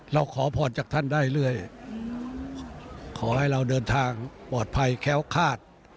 ขอพรจากท่านได้เรื่อยขอให้เราเดินทางปลอดภัยแค้วคาด